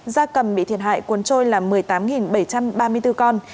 gia cầm bị thiệt hại cuốn trôi là một mươi tám bảy trăm ba mươi bốn con